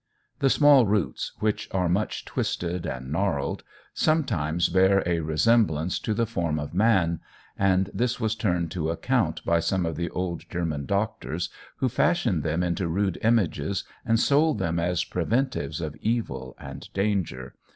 The small roots, which are much twisted and gnarled, sometimes bear a resemblance to the form of man, and this was turned to account by some of the old German doctors, who fashioned them into rude images and sold them as preventives of evil and danger.